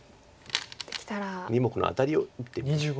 ２目のアタリを打ってみる。